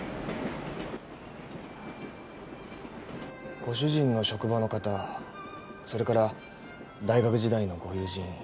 ご主人の職場の方それから大学時代のご友人